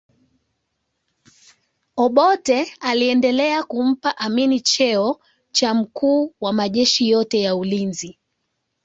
Obote aliendelea kumpa Amin cheo cha mkuu wa majeshi yote ya ulinzi